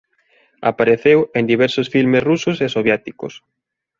Apareceu en diversos filmes rusos e soviéticos.